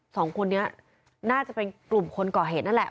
สองคนนี้น่าจะเป็นกลุ่มคนก่อเหตุนั่นแหละ